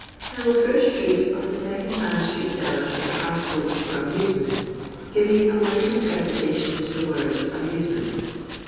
I will first treat of the Second JIand Street Sellers of Articles for Amtisement, giving a wide interpretation to the word "amusement."